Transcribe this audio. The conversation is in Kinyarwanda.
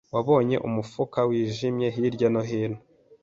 Wabonye umufuka wijimye hirya no hino?